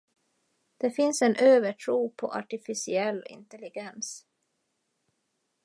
Det finns en övertro på artificiell intelligens